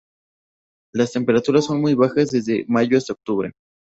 Las temperaturas son muy bajas desde mayo hasta octubre.